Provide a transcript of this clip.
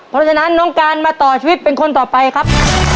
เพราะฉะนั้นน้องการมาต่อชีวิตเป็นคนต่อไปครับ